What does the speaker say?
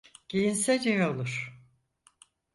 Giyinsen iyi olur.